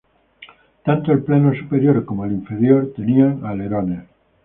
Tanto el plano superior como el inferior tenían alerones.